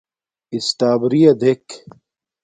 اِسٹݳبرِیݳ دݵک.